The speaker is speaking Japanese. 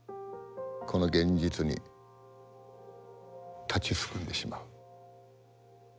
この現実に立ちすくんでしまう。